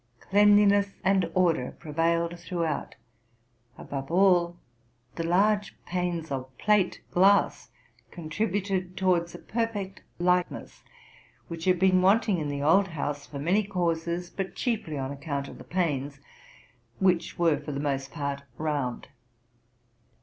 Cleanliness and order prevailed throughout. Above all, the large panes of plate glass con tributed towards a perfect lightness, which had been wanting in the old house for many, causes, but chiefly on account of the panes, which were for the most part round.